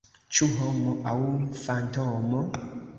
Ĉu homo aŭ fantomo?